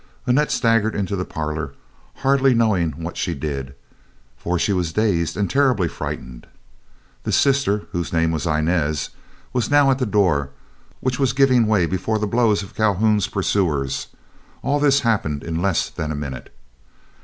Annette staggered into the parlor hardly knowing what she did, for she was dazed and terribly frightened. The sister, whose name was Inez, was now at the door, which was giving way before the blows of Calhoun's pursuers. All this happened in less than a minute.